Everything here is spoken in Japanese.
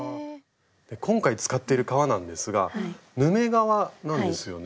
今回使っている革なんですがヌメ革なんですよね。